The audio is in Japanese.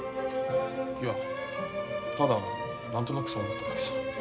いやただ何となくそう思っただけさ。